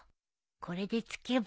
これで突けば。